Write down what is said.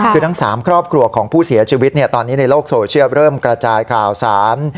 คือทั้ง๓ครอบครัวของผู้เสียชีวิตตอนนี้ในโลกโซเชียลเริ่มกระจายข่าวสาร